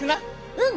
うん。